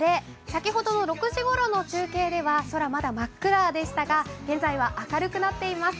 先ほどの６時ごろの中継では空まだ真っ暗でしたが、現在は明るくなっています。